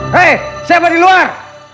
hei siapa di luar